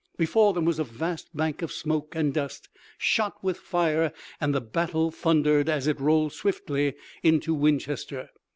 Before them was a vast bank of smoke and dust, shot with fire, and the battle thundered as it rolled swiftly into Winchester.